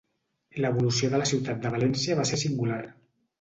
L'evolució de la ciutat de València va ser singular.